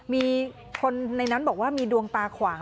มีคนในนั้นบอกว่ามีดวงตาขวาง